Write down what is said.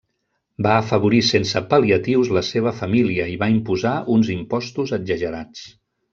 Va afavorir sense pal·liatius la seva família i va imposar uns impostos exagerats.